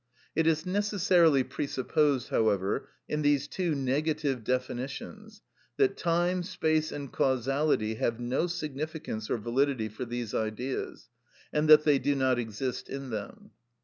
(It is necessarily presupposed, however, in these two negative definitions, that time, space, and causality have no significance or validity for these Ideas, and that they do not exist in them.)